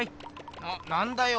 ななんだよ。